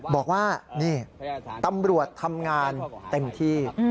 บอกว่านี่ตำรวจทำงานเต็มที่